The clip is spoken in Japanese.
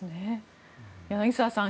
柳澤さん